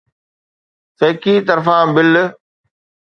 فيڪي طرفان بل